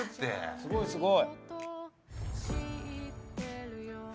すごいすごい！